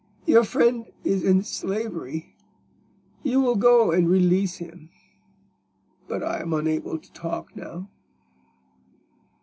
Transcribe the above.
Your friend is in slavery: you will go and release him. But I am unable to talk now."